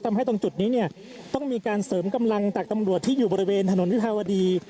ตรงจุดนี้เนี่ยต้องมีการเสริมกำลังจากตำรวจที่อยู่บริเวณถนนวิภาวดี